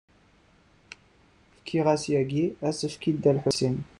Fkiɣ-as yagi asefk i Dda Lḥusin.